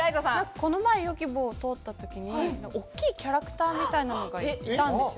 この前Ｙｏｇｉｂｏ通った時におっきいキャラクターみたいなのがいたんですよ。